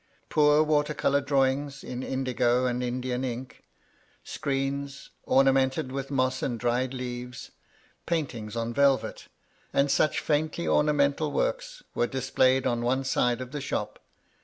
Poor water colour drawings, in indigo and Indian ink ; screens, ornamented with moss and dried leaves ; paintings on velvet, and such faintly ornamental works were displayed on one side of the shop.